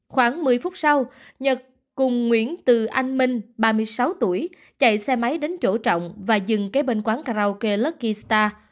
khoảng một mươi phút sau nhật cùng nguyễn từ anh minh ba mươi sáu tuổi chạy xe máy đến chỗ trọng và dừng kế bên quán karaoke luckystar